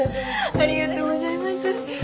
ありがとうございます。